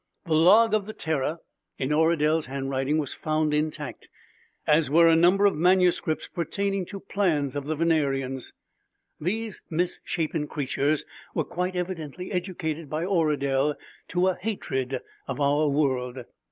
The log of the Terror, in Oradel's handwriting, was found intact, as were a number of manuscripts pertaining to plans of the Venerians. "These misshapen creatures were quite evidently educated by Oradel to a hatred of our world.